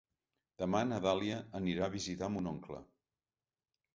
Demà na Dàlia anirà a visitar mon oncle.